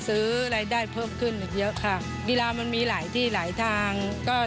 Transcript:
นอกจากนี้ครับมหากรรมกีฬาแห่งชาติจัดขึ้นแล้ว